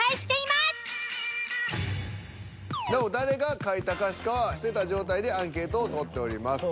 なお誰が書いた歌詞かは伏せた状態でアンケートを取っております。